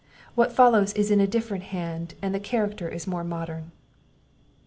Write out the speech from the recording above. What follows is in a different hand, and the character is more modern.